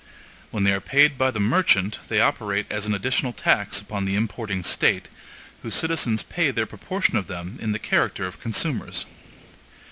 When they are paid by the merchant they operate as an additional tax upon the importing State, whose citizens pay their proportion of them in the character of consumers.